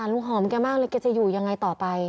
แล้วแกจะอยู่อย่างไรต่อไป